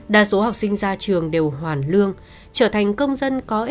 đa số học sinh ra trường đều hoàn lương trở thành công dân có ích cho xã hội